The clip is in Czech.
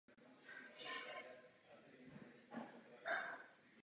Tamtéž pak vyučoval předmět Média a společnost.